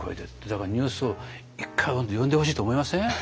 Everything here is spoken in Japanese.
だからニュースを１回読んでほしいと思いません？